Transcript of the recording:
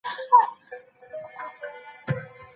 که ئې د خپلي ميرمني نيت کړی وو، نو طلاقه سوه.